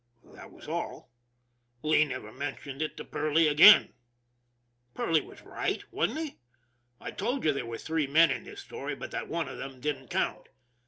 That was all. Lee never mentioned it to Perley again. Perley was right, wasn't he ? I told you there were three men in this story, but that one of them didn't count.